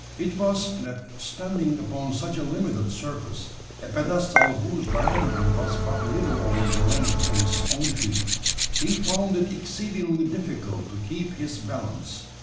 It was, that, standing upon such a limited surface a pedestal whose diameter was but little over the length of his own feet he found it exceedingly difficult to keep his balance.